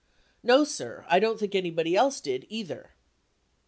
No, sir. I don't think anybody else did, either